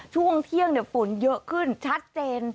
ช่วงเที่ยงฝนเยอะขึ้นชัดเจน